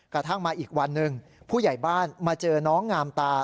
กระทั่งมาอีกวันหนึ่งผู้ใหญ่บ้านมาเจอน้องงามตา